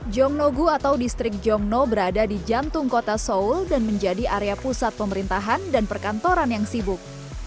jong nogu atau distrik jongno berada di jantung kota seoul dan menjadi area pusat pemerintahan dan perkantoran yang sibuk